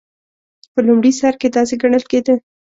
په لومړي سر کې داسې ګڼل کېده.